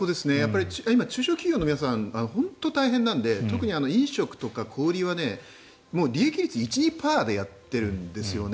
今、中小企業の皆さん本当に大変なので特に飲食とか小売りは利益率１２％でやってるんですよね。